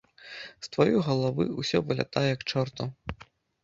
З тваёй галавы ўсё вылятае к чорту.